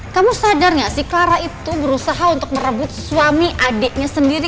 kamu sadar gak sih clara itu berusaha untuk merebut suami adiknya sendiri